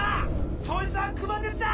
そいつは熊徹だ！